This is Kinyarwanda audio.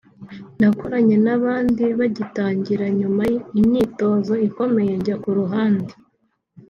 nakoranye n’abandi bagitangira nyuma imyitozo ikomeye njya ku ruhande